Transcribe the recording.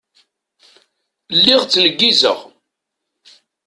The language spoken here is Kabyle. Lliɣ ttneggizeɣ.